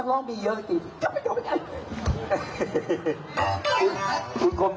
นักร้องมีเยอะสักกี่จะไปเจอกัน